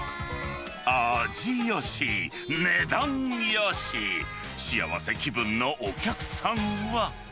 味よし、値段よし、幸せ気分のお客さんは。